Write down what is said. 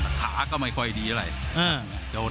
ภูตวรรณสิทธิ์บุญมีน้ำเงิน